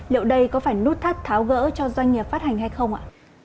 liệu đây có phải nút thắt tháo gỡ cho doanh nghiệp phát hành hay không ạ